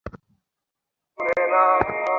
তিনি এই পদে অধিষ্ঠিত হয়েছিলেন।